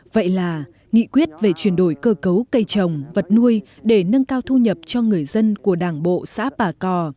vậy là nghị quyết về chuyển đổi cơ cấu cây trồng vật nuôi để nâng cao thu nhập cho người dân của đảng bộ xã bà cò